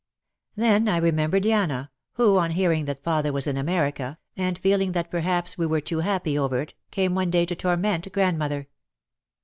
Then I remembered Yanna, who, on hearing that fath er was in America, and feeling that perhaps we were too happy over it, came one day to torment grandmother.